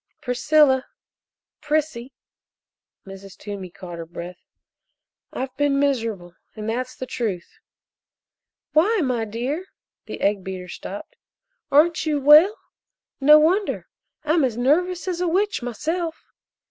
"Priscilla Prissy " Mrs. Toomey caught her breath "I've been miserable and that's the truth!" "Why, my dear!" The egg beater stopped. "Aren't you well? No wonder I'm as nervous as a witch myself."